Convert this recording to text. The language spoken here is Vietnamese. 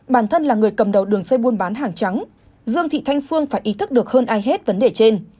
bản thân là người cầm đầu đường dây buôn bán hàng trắng dương thị thanh phương phải ý thức được hơn ai hết vấn đề trên